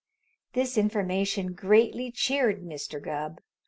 This information greatly cheered Mr. Gubb.